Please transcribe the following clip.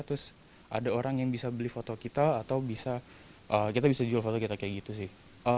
terus ada orang yang bisa beli foto kita atau bisa kita bisa jual foto kita kayak gitu sih